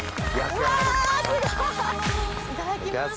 いただきます。